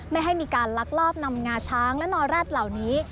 ไม่ให้มีการลักลอบนำงาช้างและนอแร็ดเหล่านี้